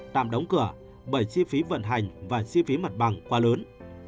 tạm đóng cửa bởi chi phí vận hành và chi phí mặt bằng quá lớn